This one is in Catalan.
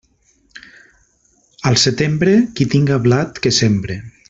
Al setembre, qui tinga blat que sembre.